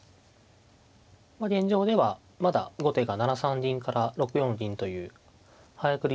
まあ現状ではまだ後手が７三銀から６四銀という早繰り